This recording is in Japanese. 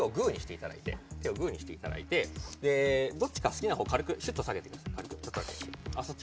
手をグーにしていただいてどっちか好きな方軽くシュッと下げてくださいあっ